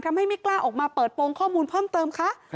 ไม่กล้าออกมาเปิดโปรงข้อมูลเพิ่มเติมคะ